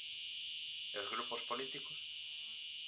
E os grupos políticos?